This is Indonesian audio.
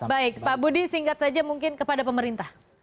baik pak budi singkat saja mungkin kepada pemerintah